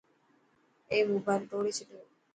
اي موبائل ٽوڙي ڇڏيو.